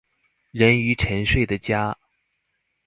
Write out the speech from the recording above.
人魚沉睡的家